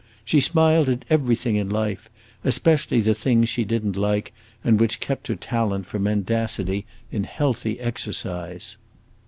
She smiled at everything in life, especially the things she did n't like and which kept her talent for mendacity in healthy exercise.